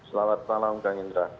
selamat malam kang indra